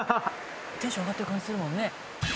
テンション上がってる感じするもんね。